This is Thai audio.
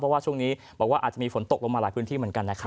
เพราะว่าช่วงนี้บอกว่าอาจจะมีฝนตกลงมาหลายพื้นที่เหมือนกันนะครับ